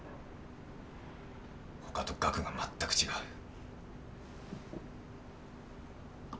ほかと額が全く違う。